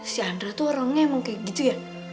si andra tuh orangnya emang kayak gitu ya